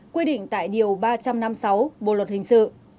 quy định tại điều ba trăm năm mươi sáu bộ luật hình sự